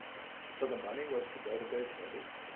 "So the money was to go to Bay City.